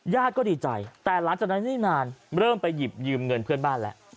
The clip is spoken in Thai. ก็ดีใจแต่หลังจากนั้นไม่นานเริ่มไปหยิบยืมเงินเพื่อนบ้านแล้ว